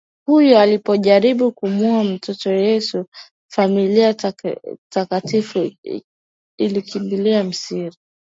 Huyu alipojaribu kumuua mtoto Yesu familia takatifu ilikimbilia Misri